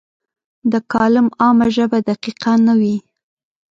د کالم عامه ژبه دقیقه نه وي.